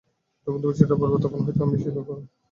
তুমি যখন চিঠিটা পড়বে তখন হয়তো আমি এই ইহলোকে থাকবো না।